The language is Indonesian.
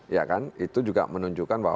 ya kan itu juga menunjukkan bahwa